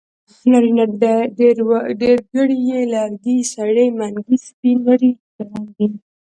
نارينه ډېرګړی ي لرګي سړي منګي سپي نري ګړندي